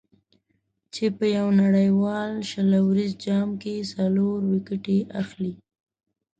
چې په یو نړیوال شل اوریز جام کې څلور ویکټې اخلي.